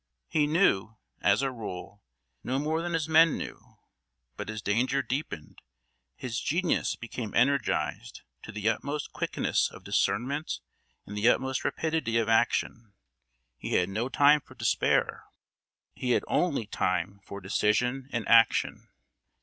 He knew, as a rule, no more than his men knew; but as danger deepened, his genius became energised to the utmost quickness of discernment and the utmost rapidity of action. He had no time for despair; he had only time for decision and action.